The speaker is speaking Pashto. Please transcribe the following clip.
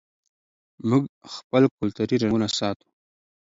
موږ خپل کلتوري رنګونه ساتو.